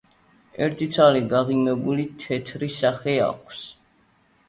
ერთი ცალი გაღიმებული თეთრი სახე გვაქვს.